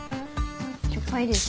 しょっぱいです。